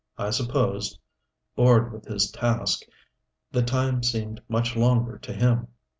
I suppose, bored with his task, the time seemed much longer to him.